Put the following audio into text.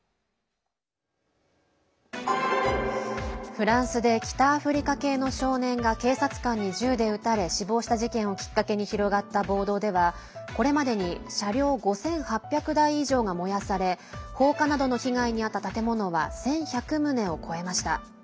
フランスで北アフリカ系の少年が警察官に銃で撃たれ死亡した事件をきっかけに広がった暴動ではこれまでに車両５８００台以上が燃やされ放火などの被害に遭った建物は１１００棟を超えました。